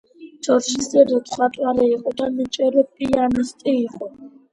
ჯორჯის დედაც მხატვარი და ნიჭიერი პიანისტი იყო.